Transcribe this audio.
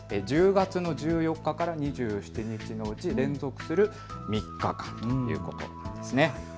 １０月の１４日から２７日のうち連続する３日間ということです。